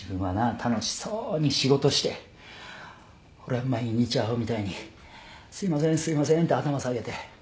楽しそうに仕事して俺は毎日アホみたいにすいませんすいませんって頭下げて。